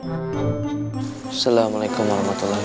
assalamualaikum wa rahmatullah